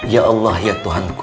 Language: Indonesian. ya allah ya tuhanku